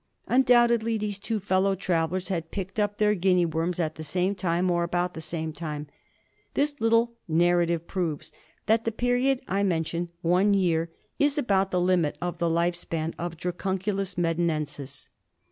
Undoubtedly these two fellow travellers had picked up their Guinea worms at the same time, or about the same time. This little narrative proves that the period I mention, one year, is about the limit of the life span of Dracunculus medi nensis.